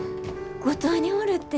五島におるって。